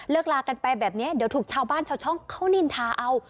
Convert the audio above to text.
ลากันไปแบบนี้เดี๋ยวถูกชาวบ้านชาวช่องเขานินทาเอา